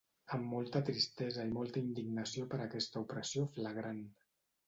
Amb molta tristesa i molta indignació per aquesta opressió flagrant.